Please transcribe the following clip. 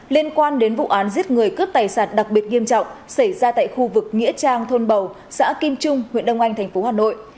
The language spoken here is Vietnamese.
liên quan đến vụ án giết người cướp tài sản đặc biệt nghiêm trọng xảy ra tại khu vực nghĩa trang thôn bầu xã kim trung huyện đông anh tp hà nội